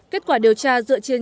kết quả điều tra dựa trên